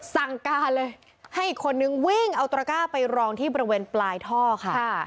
สั่งการเลยให้อีกคนนึงวิ่งเอาตระก้าไปรองที่บริเวณปลายท่อค่ะ